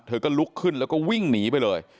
ก็ลุกขึ้นแล้วก็วิ่งหนีไปเลย